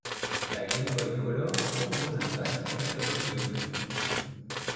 La Game Boy Color propose un vaste catalogue de jeux.